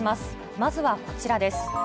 まずはこちらです。